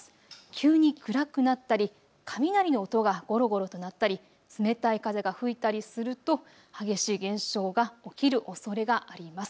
急に暗くなったり、雷の音がごろごろと鳴ったり冷たい風が吹いたりすると激しい現象が起きるおそれがあります。